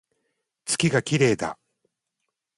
月が綺麗だ